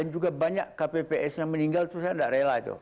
dan juga banyak kpps yang meninggal terusnya tidak rela itu